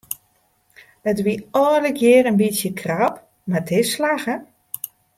It wie allegear in bytsje krap mar it is slagge.